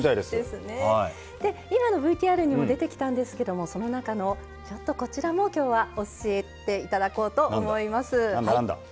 今のＶＴＲにも出てきたんですけどその中のものも今日は教えていただこうと思います。